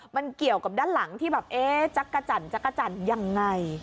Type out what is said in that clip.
มันเกี่ยวกับด้านหลังที่แบบเอ๊ะจักรจันจักรจันทร์ยังไง